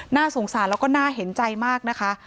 น่าสงสารแล้วก็น่าเห็นใจมากนะคะ